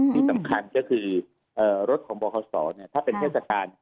ที่สำคัญก็คือรถของบคศถ้าเป็นเทศกาล